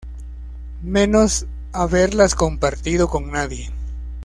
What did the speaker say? menos haberlas compartido con nadie